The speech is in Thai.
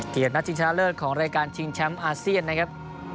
เกียรตินักทิ้งชนะเลิศของรายการทิ้งแชมป์อาเซียนนะครับ